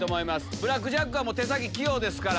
ブラック・ジャックは手先器用ですから。